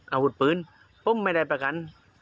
อาวุธปืนผมไม่ได้ประกัน